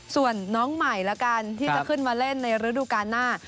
ส่วนน้องใหม่แล้วกันที่จะขึ้นมาเล่นในฤดูกาลหน้า